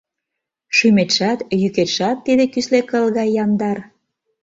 Шӱметшат, йӱкетшат тиде кӱсле кыл гай яндар.